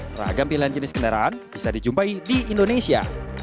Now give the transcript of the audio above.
beragam pilihan jenis kendaraan bisa dijumpai di indonesia